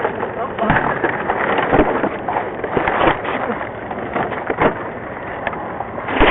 ก็เชิญคิดไหวอย่าเสียแบบแค่ตายโจรกลงไป